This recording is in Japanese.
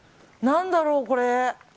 何だろう、これ。